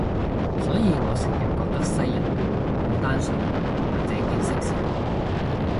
所以我成日覺得西人好單純，或者見識少